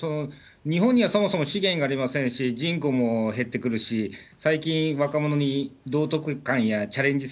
日本にはそもそも資源がありませんし、人口も減ってくるし、最近、若者に道徳観やチャレンジ